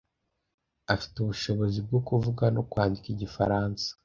Afite ubushobozi bwo kuvuga no kwandika igifaransa.